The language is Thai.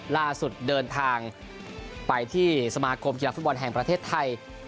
เดินทางไปที่สมาคมกีฬาฟุตบอลแห่งประเทศไทย